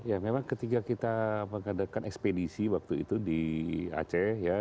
ya memang ketika kita mengadakan ekspedisi waktu itu di aceh ya